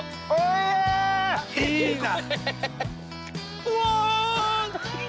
いいな！